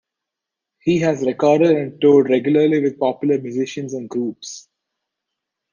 He has recorded and toured regularly with popular musicians and groups.